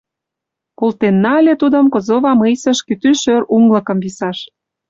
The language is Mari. Колтенна ыле тудым Козова мыйсыш кӱтӱ шӧр уҥлыкым висаш.